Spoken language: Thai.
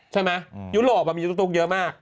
ใช่มั้ยยุโรปอ่ะมีตุ๊กตุ๊กเยอะมาก